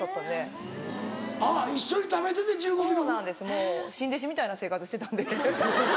もう新弟子みたいな生活してたんで。